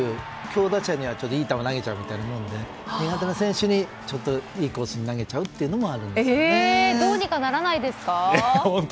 強打者には、いい球を投げちゃうみたいなもので苦手な選手にいいコースに投げちゃうこともどうにかならないですか？